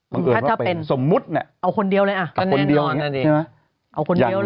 ถ้าเป็นเอาคนเดียวเลยอ่ะก็แน่นอน